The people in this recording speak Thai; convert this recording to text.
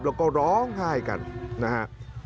แล้วก็ร้องไห้กันนะฮะ